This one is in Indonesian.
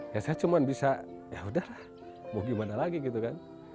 ya saya cuma bisa ya udahlah mau gimana lagi gitu kan